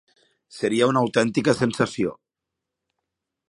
Seria una autèntica sensació.